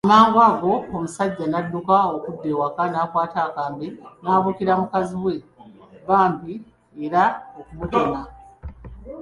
Amangu ago omusaijja n'adduka okudda ewaka n'akwata akambe n'abuukira mukazi we bamib era okutemya